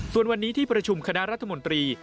ส่วนวันนี้ที่ประชุมคณะรัฐมนตรี